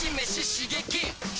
刺激！